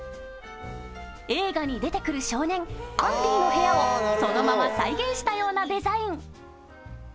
映画に出てくる少年アンディの部屋をそのまま再現したようなデザイン。